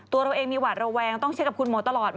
ตัวเราเองมีหวาดระแวงต้องเช็คกับคุณหมอตลอด